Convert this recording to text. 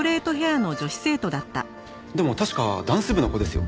でも確かダンス部の子ですよ